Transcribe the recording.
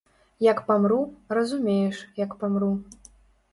Як памру, разумееш, як памру.